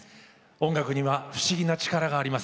音楽には不思議な力があります。